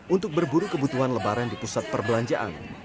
untuk berburu kebutuhan lebaran di pusat perbelanjaan